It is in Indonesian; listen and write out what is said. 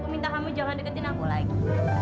minta kamu jangan deketin aku lagi